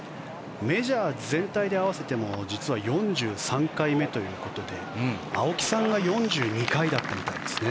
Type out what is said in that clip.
メジャー全体で合わせても実は４３回目ということで青木さんが４２回だったみたいですね。